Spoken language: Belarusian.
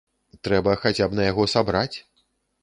Трэба хаця б на яго сабраць.